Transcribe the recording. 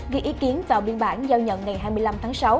ghi ý kiến vào biên bản giao nhận ngày hai mươi năm tháng sáu